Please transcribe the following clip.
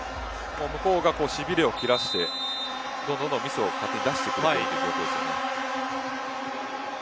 向こうがしびれを切らしてどんどんミスを勝手に出してくるという状況ですね。